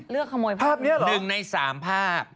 เลือกขโมยภาพนี้เหรอนึงในสามภาพ